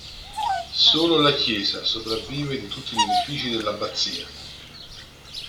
Solo la chiesa sopravvive di tutti gli edifici dell'abbazia.